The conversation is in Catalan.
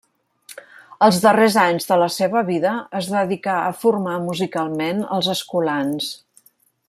Els darrers anys de la seva vida, es dedicà a formar musicalment els escolans.